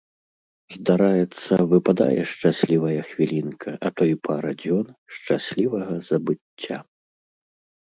Здараецца, выпадае шчаслівая хвілінка, а то і пара дзён шчаслівага забыцця.